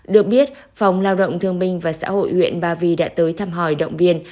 được biết phòng lao động thương minh và xã hội huyện ba vì đã tới thăm hỏi động viên